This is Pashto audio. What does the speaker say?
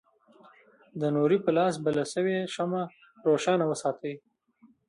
د نوري په لاس بله شوې شمعه روښانه وساتي.